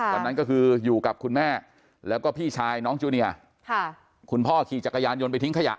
วันนั้นก็คืออยู่กับคุณแม่แล้วก็พี่ชายน้องจูเนียค่ะคุณพ่อขี่จักรยานยนต์ไปทิ้งขยะ